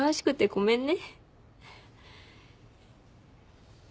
ごめんね。